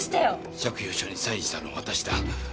借用書にサインしたのは私だ。